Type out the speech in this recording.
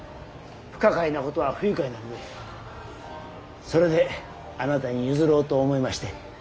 不可解なことは不愉快なのでそれであなたに譲ろうと思いまして。